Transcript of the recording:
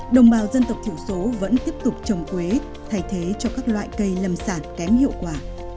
đồng bào dân tộc thiểu số vẫn tiếp tục trồng quế thay thế cho các loại cây lầm sản kém hiệu quả